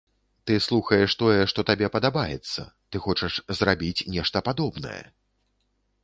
Ты слухаеш тое, што табе падабаецца, ты хочаш зрабіць нешта падобнае.